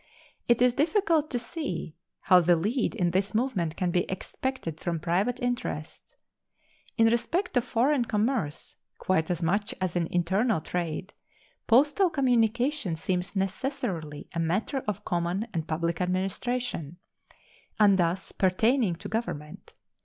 It is difficult to see how the lead in this movement can be expected from private interests. In respect of foreign commerce quite as much as in internal trade postal communication seems necessarily a matter of common and public administration, and thus pertaining to Government.